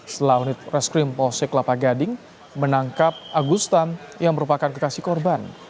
setelah unit reskrim posek lapa gading menangkap agustan yang merupakan kekasih korban